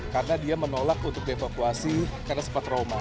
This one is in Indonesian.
karena dia menolak untuk dievakuasi karena sempat trauma